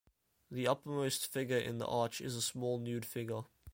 The uppermost figure in the arch is a small nude figure.